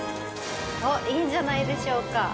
いいんじゃないでしょうか。